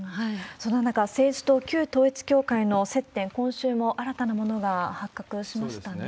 そんな中、政治と旧統一教会の接点、今週も新たなものが発覚しましたね。